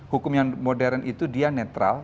hukum yang modern itu dia netral